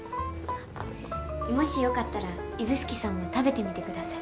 もし良かったら指宿さんも食べてみてください。